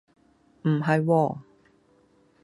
唔係喎